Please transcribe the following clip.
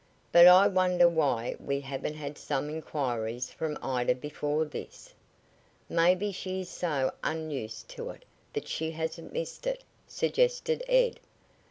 But I wonder why we haven't had some inquiries from Ida before this?" "Maybe she is so unused to it that she hasn't missed it," suggested Ed.